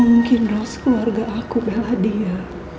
mungkin ras keluarga aku bela dia